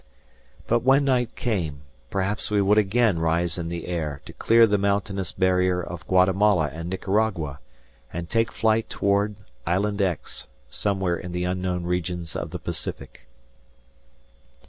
But when night came, perhaps we would again rise in the air to clear the mountainous barrier of Guatemala and Nicaragua, and take flight toward Island X, somewhere in the unknown regions of the Pacific.